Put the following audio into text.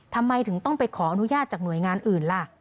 ทำไมถึงต้องไปขออนุญาตจากหน่วยงานอื่นล่ะ